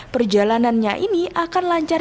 perjalanannya ini akan lancar